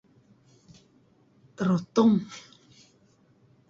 Terutung